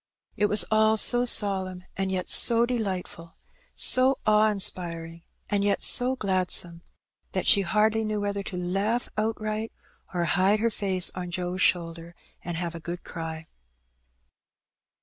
It was all so solemn, and yet so delightful, so awe inspiring and yet so gladsome, that she hardly knew whether to laugh outright, or hide her face on Joe's shoulder and have a good cry.